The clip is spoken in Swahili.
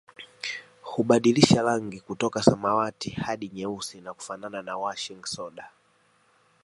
Hubadilisha rangi kutoka samawati hadi nyeusi na kufanana na washing soda